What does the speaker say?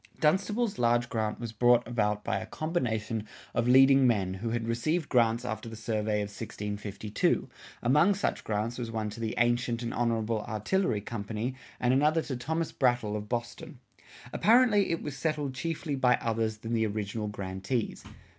"[56:3] Dunstable's large grant was brought about by a combination of leading men who had received grants after the survey of 1652; among such grants was one to the Ancient and Honorable Artillery Company and another to Thomas Brattle of Boston. Apparently it was settled chiefly by others than the original grantees.